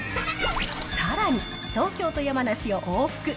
さらに、東京と山梨を往復。